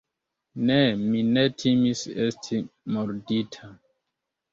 Ne, mi ne timis esti mordita.